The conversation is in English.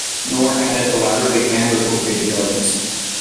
Nor had it elaborately planned or cultivated gardens.